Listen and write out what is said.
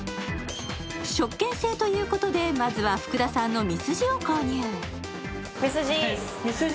食券制ということで、まずは福田さんのミスジを購入。